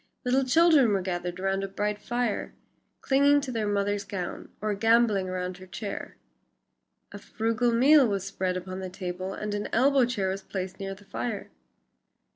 Little children were gathered round a bright fire, clinging to their mother's gown, or gamboling round her chair. A frugal meal was spread upon the table and an elbow chair was placed near the fire.